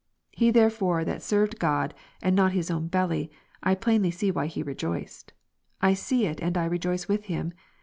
He therefore that served God, and IC 18 not his oivn belly, I plainly see why he rejoiced; I see it, and I rejoice with him.